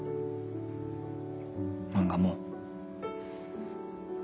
漫画も。